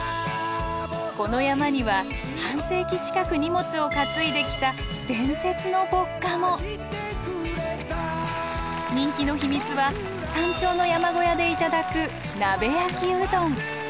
この山には半世紀近く荷物を担いできた「伝説の歩荷」も。人気の秘密は山頂の山小屋で頂く鍋焼きうどん。